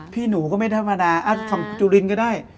พี่หนูก็ไม่ธรรมดาฝั่งคุณจุลินก็ได้